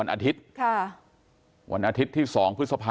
กลุ่มตัวเชียงใหม่